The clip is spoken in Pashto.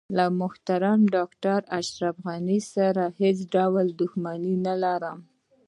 له محترم ډاکټر اشرف غني سره هیڅ ډول دښمني نه لرم.